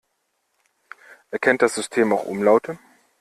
Erkennt das System auch Umlaute?